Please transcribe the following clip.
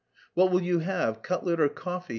"What will you have, cutlet or coffee?"